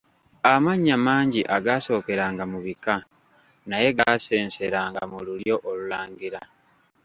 Amannya mangi agaasookeranga mu bika, naye gaasenseranga mu lulyo olulangira.